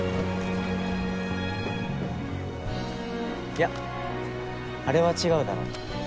いやあれは違うだろ。